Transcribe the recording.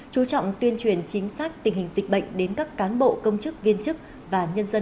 chú trọng tuyên truyền chính xác tình hình dịch bệnh đến các cán bộ công chức viên chức và nhân dân ở trên địa bàn